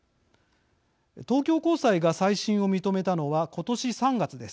東京高裁が再審を認めたのは今年３月です。